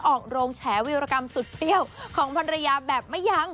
ออกโรงแฉวิวรากรรมสุดเปรี้ยวของพันเรือแบบไม่ยัง